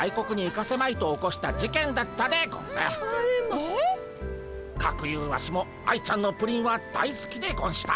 かくいうワシも愛ちゃんのプリンは大すきでゴンした。